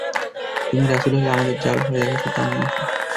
তুমি রাসূল হলে আমাদের যার ভয় দেখাচ্ছ তা নিয়ে এসো।